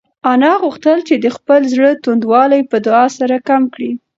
انا غوښتل چې د خپل زړه توندوالی په دعا سره کم کړي.